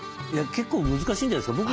結構難しいんじゃないですか。